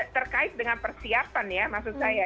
terkait dengan persiapan ya maksud saya